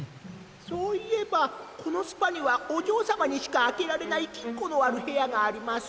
そういえばこのスパにはおじょうさまにしかあけられないきんこのあるへやがあります。